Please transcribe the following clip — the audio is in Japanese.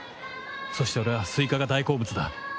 そして俺はスイカが大好物だ。